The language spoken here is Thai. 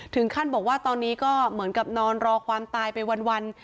ถึงขั้นบอกว่าตอนนี้ก็เหมือนกับนอนรอความตายไปวัน